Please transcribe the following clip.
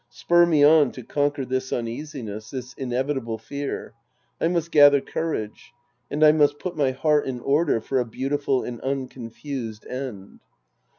Spur me on to conquer this uneasiness, this inevitable fear. I must gather courage. And I must put my heart in order for a beautiful and un confused end.